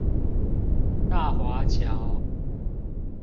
大華橋